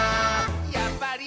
「やっぱり！